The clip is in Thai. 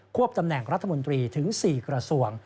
วบตำแหน่งรัฐมนตรีถึง๔กระทรวง